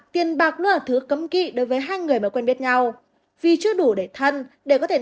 tiền bạc luôn là thứ cấm kỵ đối với hai người mà quen biết nhau vì chưa đủ để thân để có thể